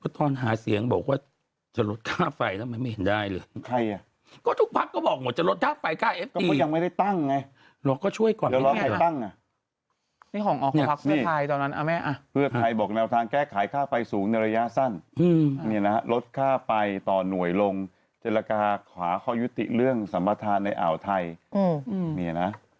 ที่หลายฝ่ายเนี่ย